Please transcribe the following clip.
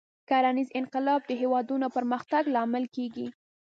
کرنیز انقلاب د هېوادونو پرمختګ لامل کېږي.